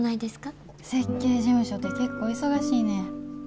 設計事務所って結構忙しいねん。